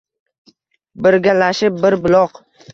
Birgalashib bir buloq.